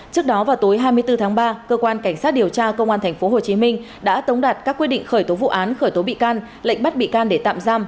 trước đó vào tối hai mươi bốn tháng ba cơ quan cảnh sát điều tra công an tp hcm đã tống đạt các quyết định khởi tố vụ án khởi tố bị can lệnh bắt bị can để tạm giam